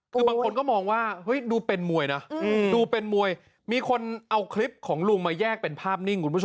คือบางคนก็มองว่าดูเป็นมวยนะดูเป็นมวยมีคนเอาคลิปของลุงมาแยกเป็นภาพนิ่งคุณผู้ชม